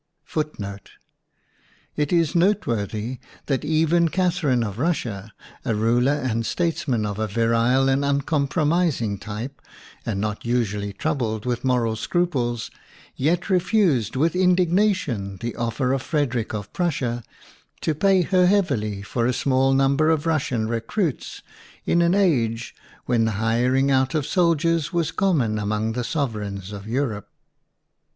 1 1 It is noteworthy that even Catherine of Rus sia, a ruler and statesman of a virile and uncom promising type, and not usually troubled with moral scruples, yet refused with indignation the offer of Frederick of Prussia to pay her heavily for a small number of Russian recruits in an age when the hiring out of soldiers was common among the sovereigns of Europe.